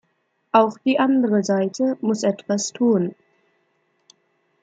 Auch die andere Seite muss etwas tun.